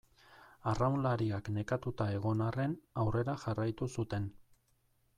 Arraunlariak nekatuta egon arren aurrera jarraitu zuten.